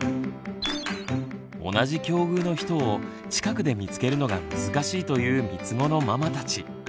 同じ境遇の人を近くで見つけるのが難しいというみつごのママたち。